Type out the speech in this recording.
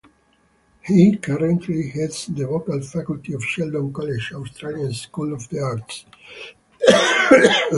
He currently heads the vocal faculty at Sheldon College's Australian School of the Arts.